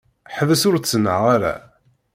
Ḥbes ur ttnaɣ ara.